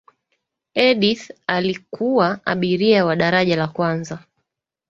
edith alikuwa abiria wa daraja la kwanza